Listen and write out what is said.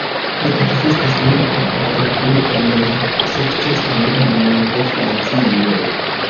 Ne ekzistas loko por du en la sukcesan mondon de Francio".